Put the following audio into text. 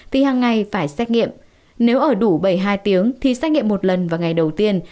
thì hàng ngày phải xét nghiệm nếu ở đủ bảy mươi hai tiếng thì xét nghiệm một lần vào ngày đầu tiên